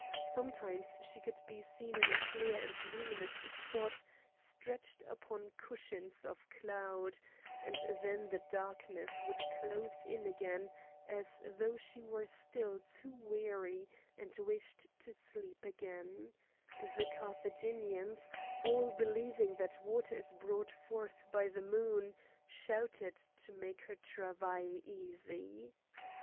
Sometimes she could be seen in a clear and luminous spot stretched upon cushions of cloud; and then the darkness would close in again as though she were still too weary and wished to sleep again; the Carthaginians, all believing that water is brought forth by the moon, shouted to make her travail easy.